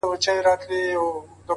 • لېوه خره ته کړلې سپیني خپلي داړي ,